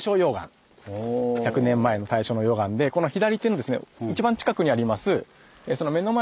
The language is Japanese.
１００年前の大正の溶岩でこの左手のですね一番近くにあります